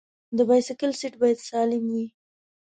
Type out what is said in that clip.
د بایسکل سیټ باید سالم وي.